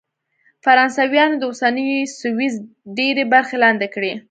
فرانسویانو د اوسني سویس ډېرې برخې لاندې کړې.